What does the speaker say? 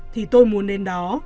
thì tôi muốn đến đó